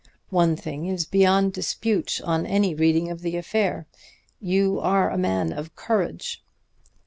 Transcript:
One thing is beyond dispute on any reading of the affair: you are a man of courage."